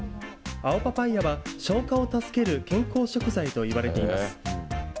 青パパイアは消化を助ける健康食材といわれています。